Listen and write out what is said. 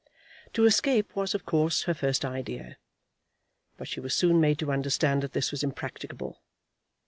To escape was of course her first idea, but she was soon made to understand that this was impracticable.